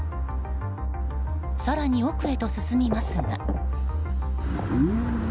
更に、奥へと進みますが。